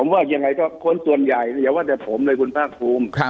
แต่อย่างไรคนส่วนใหญ่อย่าว่าแต่ผมเลยคุณพากภูมิ